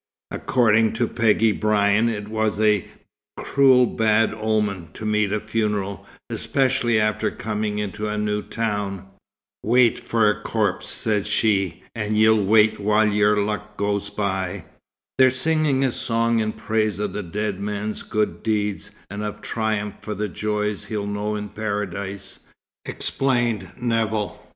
According to Peggy Brian it was "a cruel bad omen" to meet a funeral, especially after coming into a new town. "Wait for a corpse," said she, "an' ye'll wait while yer luck goes by." "They're singing a song in praise of the dead man's good deeds, and of triumph for the joys he'll know in Paradise," explained Nevill.